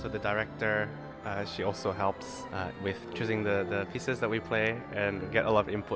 jadi directornya juga membantu dengan memilih lagu lagunya yang kita mainkan